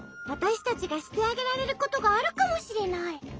わたしたちがしてあげられることがあるかもしれない。